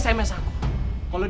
kalau dia mengenal kamu reno